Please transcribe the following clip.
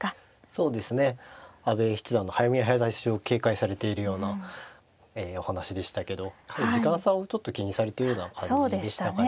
そうですね阿部七段の早見え早指しを警戒されているようなお話でしたけど時間差をちょっと気にされているような感じでしたかね。